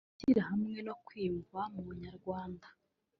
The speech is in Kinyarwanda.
gushyira hamwe no kwiyumva mu Bunyarwanda